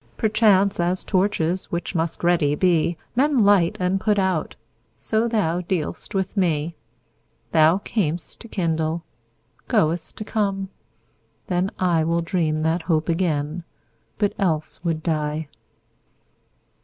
Perchance, as torches, which must ready be, Men light and put out, so thou dealst with me. Thou cam'st to kindle, goest to come: then IWill dream that hope again, but else would die.